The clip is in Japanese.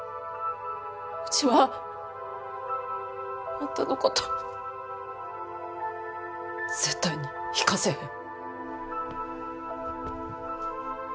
ウチはあんたのこと絶対に行かせへん。